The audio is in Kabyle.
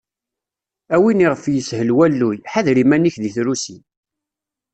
A win iɣef yeshel walluy, ḥader iman-ik deg trusi.